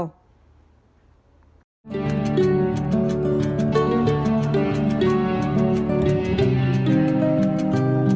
hẹn gặp lại